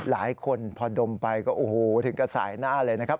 หลายคนพอดมไปก็โอ้โหถึงกระสายหน้าเลยนะครับ